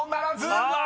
うわ！